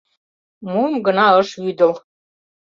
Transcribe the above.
Мом гына ыш вӱдыл...